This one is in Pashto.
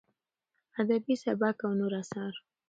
ادبي سبک او نور اثار: